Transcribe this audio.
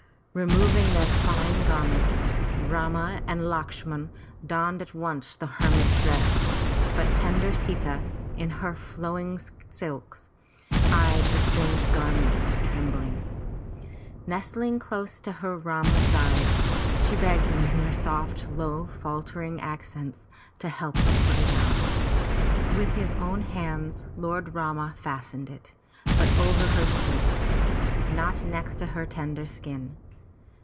Removing their fine garments, Rama and Lakshman donned at once the her mit's dress, but tender Sita in her flowing silks, eyed the strange gar ment trembling. Nestling closer to her Rama's side, she begged him in her soft, low, faltering accents to help her put it on. With 391 M Y BOOK HOUSE his own hands Lord Rama fastened it, but over her silks, not next her tender skin.